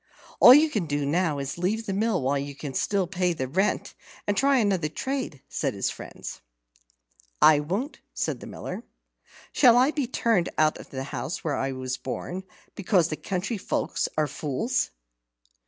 "All you can do now is to leave the mill while you can pay the rent, and try another trade," said his friends. "I won't," said the Miller. "Shall I be turned out of the house where I was born, because the country folk are fools?"